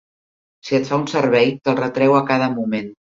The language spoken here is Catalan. Si et fa un servei, te'l retreu a cada moment.